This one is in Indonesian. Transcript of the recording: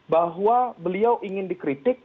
bahwa beliau ingin dikritik